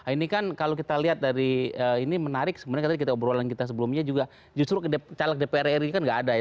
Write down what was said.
ini kan kalau kita lihat dari ini menarik sebenarnya tadi kita obrolan kita sebelumnya juga justru caleg dpr ri kan nggak ada ya